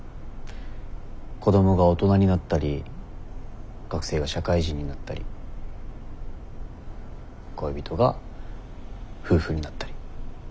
子どもが大人になったり学生が社会人になったり恋人が夫婦になったり。